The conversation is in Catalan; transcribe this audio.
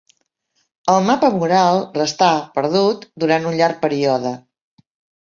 El mapa mural restà perdut durant un llarg període.